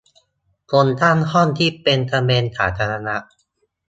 คนตั้งห้องที่เป็นประเด็นสาธารณะ